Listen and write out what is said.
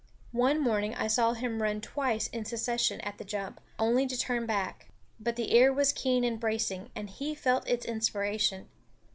One morning I saw him run twice in succession at the jump, only to turn back. But the air was keen and bracing, and he felt its inspiration.